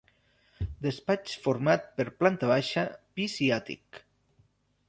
Despatx format per planta baixa, pis i àtic.